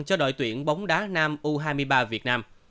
cho đội tuyển bóng đá nam u hai mươi ba việt nam